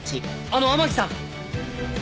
あの天樹さん！